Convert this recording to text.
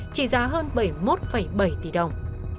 chín mươi chín chín mươi chín chỉ giá hơn bảy mươi một bảy tỷ đồng